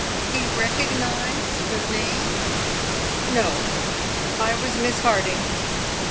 He recognised the name?" "No! I was Miss Harding.